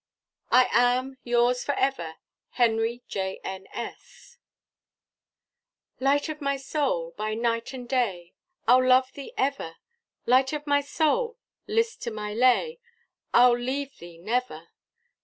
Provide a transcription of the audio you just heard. "I am, "Yours for ever, "HENRY J.N.S. "Light of my soul! by night and day, I'll love thee ever; Light of my soul! list to my lay, I'll leave thee never.